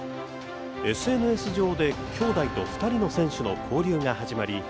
ＳＮＳ上で兄弟と２人の選手の交流が始まり